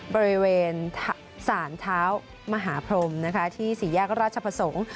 บริเวณสารเท้ามหาพรมนะคะที่ศรียากราชภาโสง